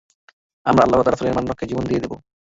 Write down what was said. আমরা আল্লাহ ও তাঁর রাসূলের মান রক্ষায় জীবন দিয়ে দিব।